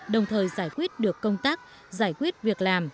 đồng thời giải quyết được công tác giải quyết việc làm